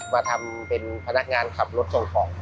มาทำเป็นพนักงานขับรถส่งของ